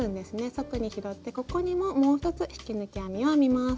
束に拾ってここにももう一つ引き抜き編みを編みます。